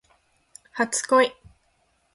初恋